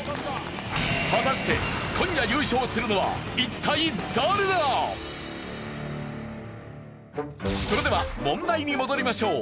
果たして今夜それでは問題に戻りましょう。